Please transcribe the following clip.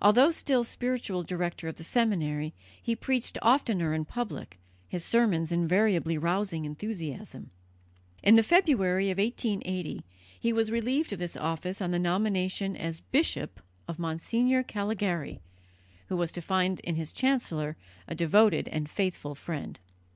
Although still spiritual director of the seminary, he preached oftener in public, his sermons invariably rousing enthusiasm. In the February of 1880 he was relieved of this office on the nomination as bishop of Monsignor Callegari, who was to find in his chancellor a devoted and faithful friend.